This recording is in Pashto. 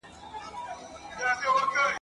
نجوني اوس په ډېر شوق سره ښوونځي ته ځي.